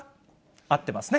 合ってますね。